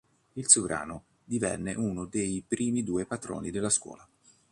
Il sovrano divenne uno dei primi due patroni della scuola.